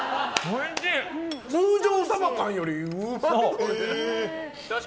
通常サバ缶よりうまいぞ。